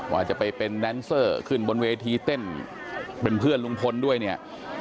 ว่าจะไปเป็นแดนเซอร์ขึ้นบนเวทีเต้นเป็นเพื่อนลุงพลด้วยเนี่ย